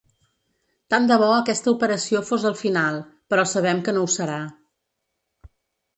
Tant de bo aquesta operació fos el final, però sabem que no ho serà.